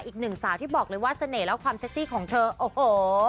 อีกหนึ่งสาวที่บอกเลยว่าเสน่ห์และความเซ็กซี่ของเธอโอ้โห